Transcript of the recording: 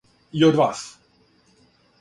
И од вас.